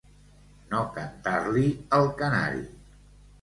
No cantar-li el canari.